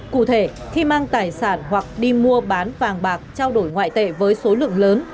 cụ thể khi mang tài sản hoặc đi mua bán vàng bạc trao đổi ngoại tệ với số lượng lớn